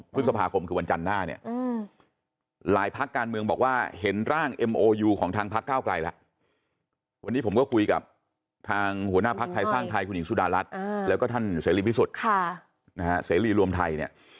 พฤษภาคมคือวันจันทร์หน้าเนี่ย